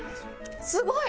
すごい！